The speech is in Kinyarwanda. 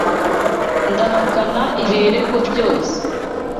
Ndahakana ibi birego byose.